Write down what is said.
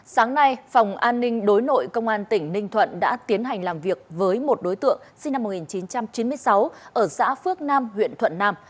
sáng nay phòng an ninh đối nội công an tỉnh ninh thuận đã tiến hành làm việc với một đối tượng sinh năm một nghìn chín trăm chín mươi sáu ở xã phước nam huyện thuận nam